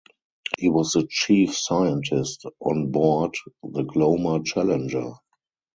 He was the chief scientist on board the Glomar Challenger.